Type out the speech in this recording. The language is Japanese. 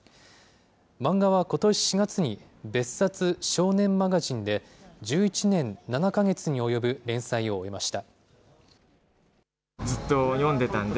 漫画はことし４月に、別冊少年マガジンで１１年７か月に及ぶ連載を終えました。